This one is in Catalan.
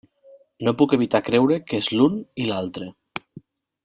No puc evitar creure que és l'un i l'altre.